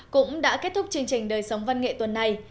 cũng đã kết thúc chương trình đời sống văn nghệ tuần này